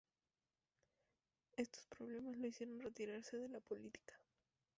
Estos problemas lo hicieron retirarse de la política.